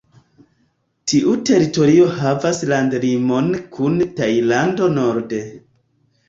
Tiu teritorio havas landlimon kun Tajlando norde.